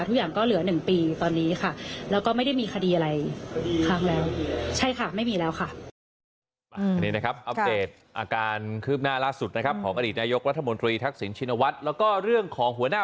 ทุกอย่างก็เหลือ๑ปีตอนนี้ค่ะแล้วก็ไม่ได้มีคดีอะไรครั้งแล้วค่ะ